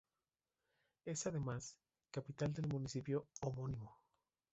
Es además capital del municipio homónimo.